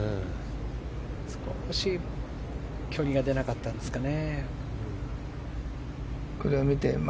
少し距離が出なかったんですかね。